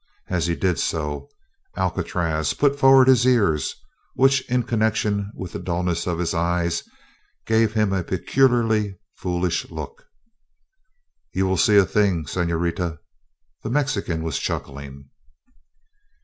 As he did so, Alcatraz put forward his ears, which, in connection with the dullness of his eyes, gave him a peculiarly foolish look. "You will see a thing, señorita!" the Mexican was chuckling.